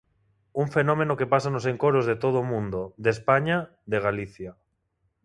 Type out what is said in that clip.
Un fenómeno que pasa nos encoros de todo o mundo, de España, de Galicia.